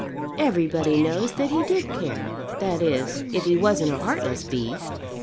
Everybody knows that he did care, that is, if he wasn't a heartless beast."